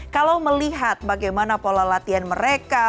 kalau melihat bagaimana pola latihan mereka